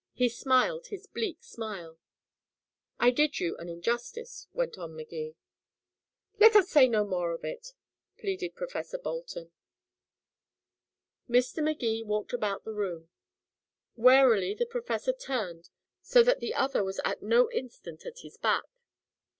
He smiled his bleak smile. "I did you an injustice," went on Magee. "Let us say no more of it," pleaded Professor Bolton. Mr. Magee walked about the room. Warily the professor turned so that the other was at no instant at his back.